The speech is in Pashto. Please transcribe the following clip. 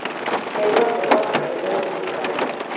هېواد د پاکو شهیدانو ځمکه ده